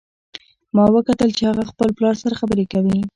ما وکتل چې هغه خپل پلار سره خبرې کوي